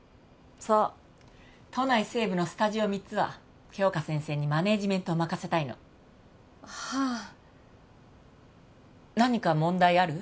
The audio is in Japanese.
そう都内西部のスタジオ三つは杏花先生にマネジメントを任せたいのはあ何か問題ある？